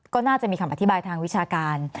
ก็น่าจะมีคำอธิบายทางวิชาการ